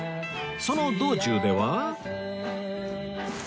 その道中では